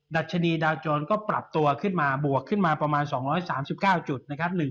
ดัชนีดาวโจรก็ปรับตัวขึ้นมาบวกขึ้นมาประมาณ๒๓๙จุดนะครับ